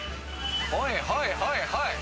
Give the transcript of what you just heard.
はいはいはいはい！